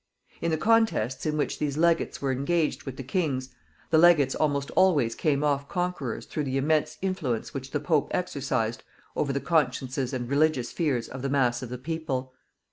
In the contests in which these legates were engaged with the kings, the legates almost always came off conquerors through the immense influence which the Pope exercised over the consciences and religious fears of the mass of the people.